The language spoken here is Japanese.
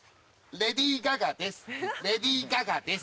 レディー・ガガです。